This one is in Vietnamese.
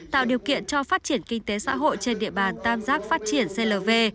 tạo điều kiện cho phát triển kinh tế xã hội trên địa bàn tam giác phát triển clv